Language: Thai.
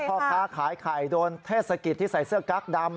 พ่อค้าขายไข่โดนเทศกิจที่ใส่เสื้อกั๊กดำ